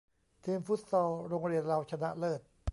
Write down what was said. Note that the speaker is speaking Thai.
ทีมฟุตซอลโรงเรียนเราชนะเลิศ